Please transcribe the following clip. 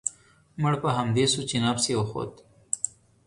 مړ په همدې سو چې نفس يې و خوت.